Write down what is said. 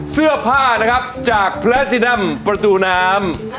เสื้อผ้านะครับจากพระจินัมประตูน้ำ